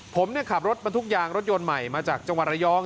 ผมขับรถบรรทุกยางรถยนต์ใหม่มาจากจังหวัดระยอง